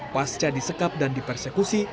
pasca disekap dan dipersekusi